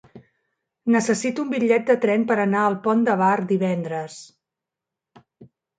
Necessito un bitllet de tren per anar al Pont de Bar divendres.